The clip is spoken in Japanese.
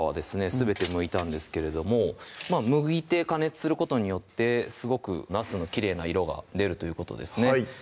すべてむいたんですけれどもむいて加熱することによってすごくなすのきれいな色が出るということですね